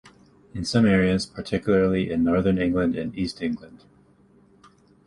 In some areas, particularly in northern England and East England.